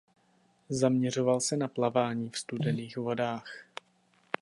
Zaměřoval se na plavání v studených vodách.